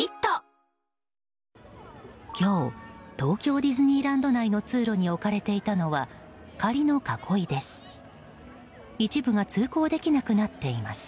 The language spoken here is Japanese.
今日東京ディズニーランド内の通路に置かれていたのは仮の囲いです。